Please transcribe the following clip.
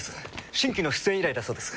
新規の出演依頼だそうです。